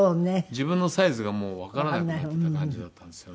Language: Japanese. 自分のサイズがもうわからなくなってた感じだったんですよね。